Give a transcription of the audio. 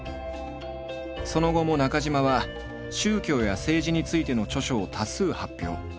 その後も中島は宗教や政治についての著書を多数発表。